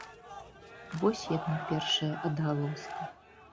Вось яны, першыя адгалоскі.